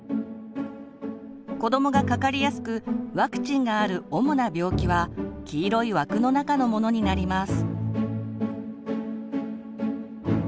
子どもがかかりやすくワクチンがある主な病気は黄色い枠の中のものになります。